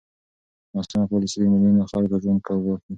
ناسمه پالېسي د میلیونونو خلکو ژوند ګواښي.